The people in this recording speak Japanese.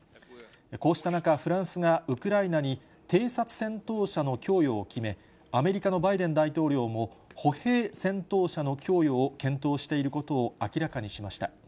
こうした中、フランスがウクライナに、偵察戦闘車の供与を決め、アメリカのバイデン大統領も、歩兵戦闘車の供与を検討していることを明らかにしました。